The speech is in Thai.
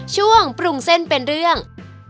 ช่วงปรุงเส้นเป็นเรื่อง